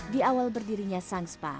di awal berdirinya sang spa